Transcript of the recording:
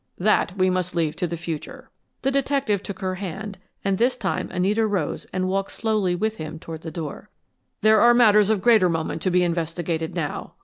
"That we must leave to the future." The detective took her hand, and this time Anita rose and walked slowly with him toward the door. "There are matters of greater moment to be investigated now.